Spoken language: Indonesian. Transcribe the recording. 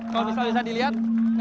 kalau bisa bisa dilihat